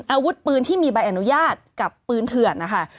อาวุธปืนที่มีใบอนุญาตกับปืนเถื่อนนะคะ